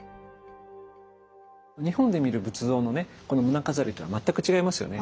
日本で見る仏像のねこの胸飾りとは全く違いますよね。